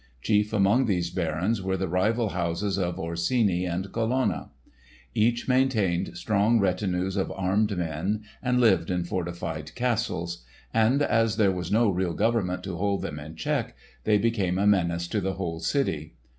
Chief among these barons were the rival houses of Orsini and Colonna. Each maintained strong retinues of armed men and lived in fortified castles; and as there was no real government to hold them in check they became a menace to the whole city.